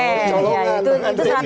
colongan bukan demikian